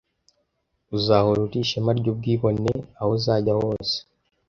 Uzahora uri ishema ryubwibone, aho uzajya hose.